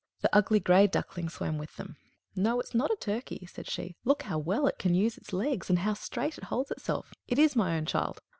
The ugly gray Duckling swam with them. "No, it's not a turkey," said she; "look how well it can use its legs, and how straight it holds itself. It is my own child!